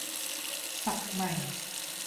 ศัพท์ใหม่